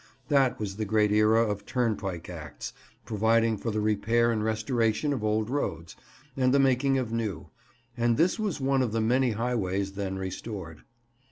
That was the great era of turnpike acts, providing for the repair and restoration of old roads, and the making of new; and this was one of the many highways then restored.